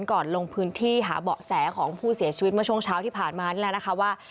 ลงพื้นที่หาเบาะแสของผู้เสียชีวิตเมื่อช่วงเช้าที่ผ่านมานี่แหละนะคะว่า